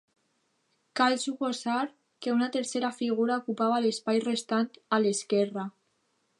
Cal suposar que una tercera figura ocupava l'espai restant a l'esquerra.